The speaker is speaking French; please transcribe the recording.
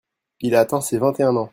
Il a atteint ses vingt-et-un ans.